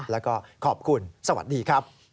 แล้วก็ขอบคุณสวัสดีครับ